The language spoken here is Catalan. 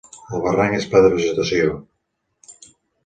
El barranc és ple de vegetació.